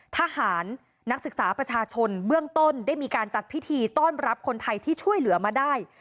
ทหารนักศึกษาประชาชนเบื้องต้นได้มีการจัดพิธีต้อนรับคนไทยที่ช่วยเหลือมาได้